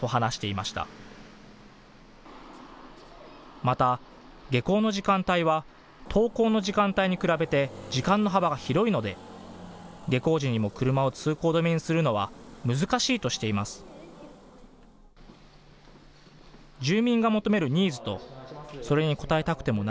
また、下校の時間帯は登校の時間帯に比べて時間の幅が広いので下校時にも車を通行止めにするのは難しいとしています。